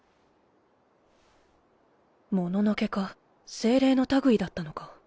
もののけか精霊の類だったのか